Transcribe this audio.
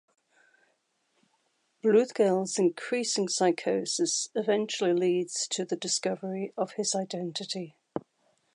Bluthgeld's increasing psychosis eventually leads to the discovery of his identity.